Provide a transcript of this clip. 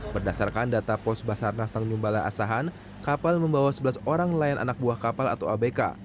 berdasarkan data pos basarnas tanjung balai asahan kapal membawa sebelas orang nelayan anak buah kapal atau abk